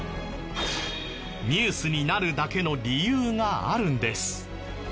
ニュースになるだけの理由があるんです。